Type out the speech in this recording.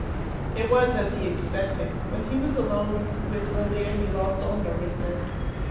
It was as he expected. When he was alone with Lilia he lost all nervousness.